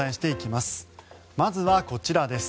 まずは、こちらです。